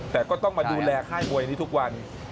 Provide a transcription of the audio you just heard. แต่ก็ต้องมาดูแลค่ายมวยนี้ทุกวัน